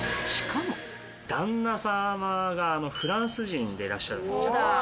旦那様がフランス人でいらっしゃるんですよ。